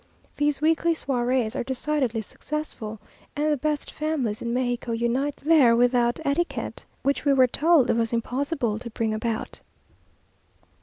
These weekly soirées are decidedly successful, and the best families in Mexico unite there without etiquette, which we were told it was impossible to bring about....